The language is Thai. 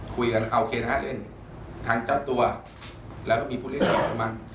คุยกันเอาเคนะเล่นทางเจ้าตัวแล้วก็มีผู้เล่นกับมัน